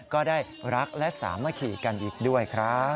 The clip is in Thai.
ก็ได้รักและสามัคคีกันอีกด้วยครับ